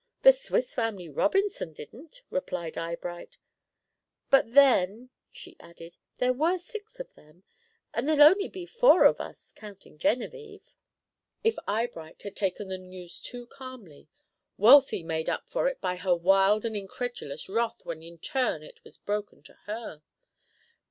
"The Swiss Family Robinson didn't," replied Eyebright. "But then," she added, "there were six of them. And there'll only be four of us counting Genevieve." If Eyebright had taken the news too calmly, Wealthy made up for it by her wild and incredulous wrath when in turn it was broken to her.